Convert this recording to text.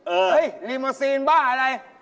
เออเฮ่ยริโมซีนบ้าอะไร